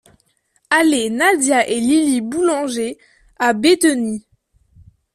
Allée Nadia et Lili Boulanger à Bétheny